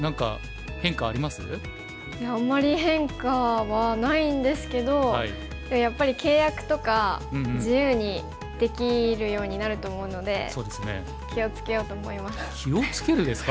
いやあんまり変化はないんですけどやっぱり契約とか自由にできるようになると思うので気を付けようと思います。